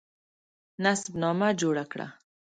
نسب نامه جوړه کړه.